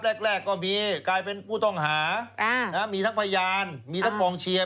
แรกก็มีกลายเป็นผู้ต้องหามีทั้งพยานมีทั้งกองเชียร์